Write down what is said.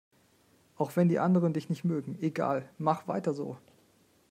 Auch wenn dich die anderen nicht mögen, egal, mach weiter so!